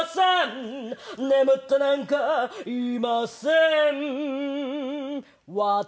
「眠ってなんかいません私」